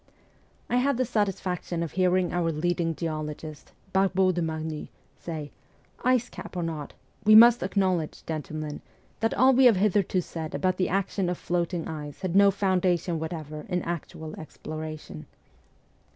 I had the satisfaction of hearing our leading geologist, Barbot de Marny, say, ' Ice cap or not, we must acknowledge, gentlemen, that all we have hitherto said about the action of floating ice had no foundation whatever in actual exploration.'